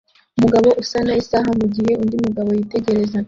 Umugabo usana isaha mugihe undi mugabo yitegereza